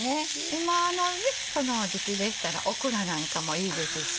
今の時季でしたらオクラなんかもいいですし。